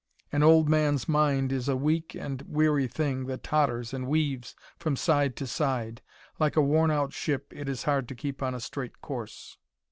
An old man's mind is a weak and weary thing that totters and weaves from side to side; like a worn out ship, it is hard to keep on a straight course.